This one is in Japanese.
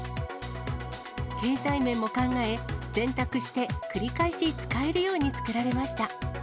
経済面も考え、洗濯して繰り返し使えるように作られました。